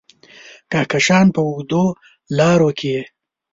د کهکشان په اوږدو لارو کې یې